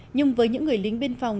nhưng với những người lính biên phòng